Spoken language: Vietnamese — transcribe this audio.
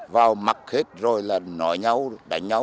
vào mặc hết rồi là nói nhau đánh nhau